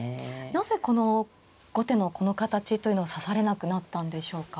なぜこの後手のこの形というのは指されなくなったんでしょうか。